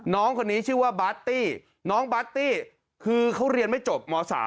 น้องคนนี้ชื่อว่าบาร์ตี้น้องบาร์ตี้คือเขาเรียนไม่จบม๓